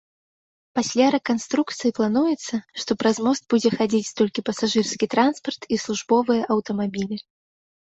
Пасля рэканструкцыі плануецца, што праз мост будзе хадзіць толькі пасажырскі транспарт і службовыя аўтамабілі.